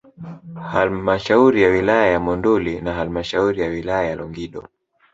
Halmashauri ya wilaya ya Monduli na halmashauri ya wilaya ya Longido